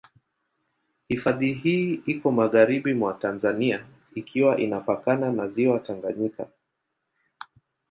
Hifadhi hii iko magharibi mwa Tanzania ikiwa inapakana na Ziwa Tanganyika.